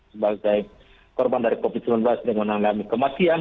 sebagai korban dari covid sembilan belas dengan mengalami kematian